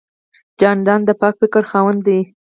جانداد د پاک فکر خاوند دی.